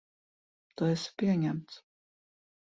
Tu esi pieņemts.